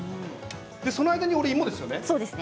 その間に芋ですね。